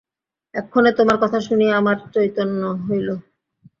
এক্ষণে তোমার কথা শুনিয়া আমার চৈতন্য হইল।